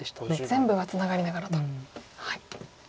全部がツナがりながらと。